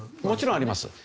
もちろんあります。